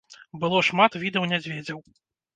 Было шмат відаў мядзведзяў.